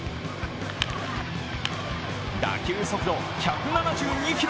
打球速度１７２キロ。